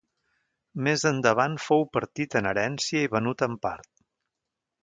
Més endavant fou partit en herència i venut en part.